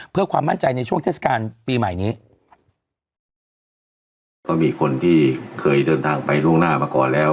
เพื่อความมั่นใจในช่วงเทศกาลปีใหม่นี้ก็มีคนที่เคยเดินทางไปล่วงหน้ามาก่อนแล้ว